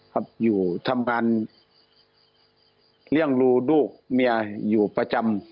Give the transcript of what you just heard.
ครับอยู่ทำการเลี้ยงดูลูกเมียอยู่ประจำ